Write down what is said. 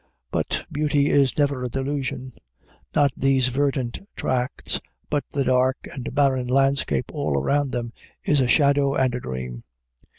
But beauty is never a delusion; not these verdant tracts but the dark and barren landscape all around them is a shadow and a dream.